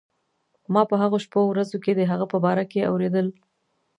ما په هغو شپو ورځو کې د هغه په باره کې اورېدل.